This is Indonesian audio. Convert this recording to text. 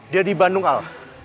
dia di bandung al